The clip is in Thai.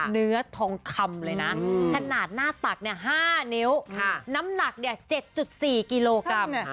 เนื้อทองคำเลยนะขนาดหน้าตัก๕นิ้วน้ำหนัก๗๔กิโลกรัม